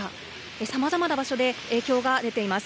さまざまな場所で影響が出ています。